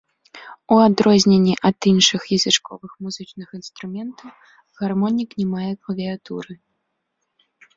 У адрозненні ад іншых язычковых музычных інструментаў гармонік не мае клавіятуры.